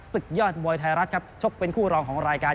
ศึกยอดมวยไทยรัฐครับชกเป็นคู่รองของรายการ